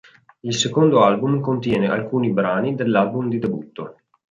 Il secondo album contiene alcuni brani dell'album di debutto.